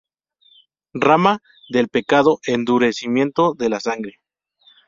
Rama del pecado: Endurecimiento de la sangre.